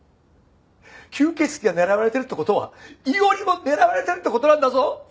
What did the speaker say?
吸血鬼が狙われてるって事は伊織も狙われてるって事なんだぞ！